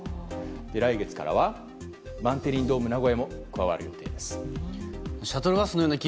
来月からはバンテリンドームナゴヤも加わる予定です。